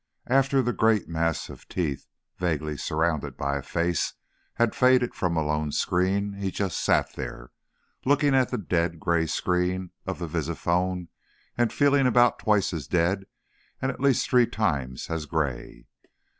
12 After the great mass of teeth, vaguely surrounded by a face, had faded from Malone's screen, he just sat there, looking at the dead, grey screen of the visiphone and feeling about twice as dead and at least three times as grey.